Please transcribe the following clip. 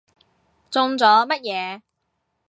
中咗乜嘢？